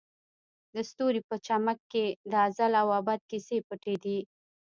د ستوري په چمک کې د ازل او ابد کیسې پټې دي.